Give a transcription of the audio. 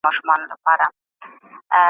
د کانونو استخراج مسلکي کسانو ته اړتیا لري.